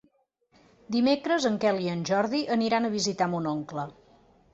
Dimecres en Quel i en Jordi aniran a visitar mon oncle.